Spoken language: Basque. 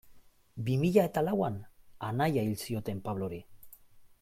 Bi mila eta lauan anaia hil zioten Pablori.